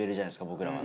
僕らは。